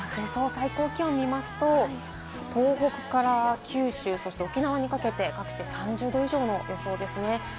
最高気温を見ますと、東北から九州そして沖縄にかけて各地３０度以上の予想ですね。